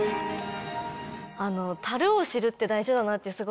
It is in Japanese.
「足るを知る」って大事だなってすごい。